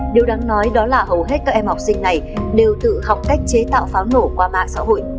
điều đáng nói đó là hầu hết các em học sinh này đều tự học cách chế tạo pháo nổ qua mạng xã hội